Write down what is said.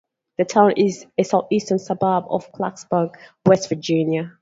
The town is a southeastern suburb of Clarksburg, West Virginia.